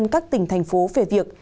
các tỉnh thành phố về việc